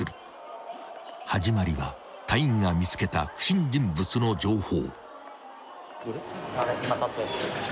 ［始まりは隊員が見つけた不審人物の情報］